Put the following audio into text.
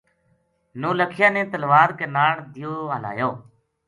نولکھیا نے تلوار کے ناڑ دیو ہلایو